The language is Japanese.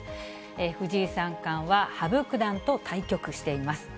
藤井三冠は、羽生九段と対局しています。